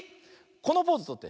このポーズとって。